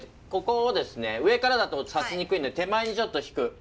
ここをですね上からだと刺しにくいので手前にちょっと引く。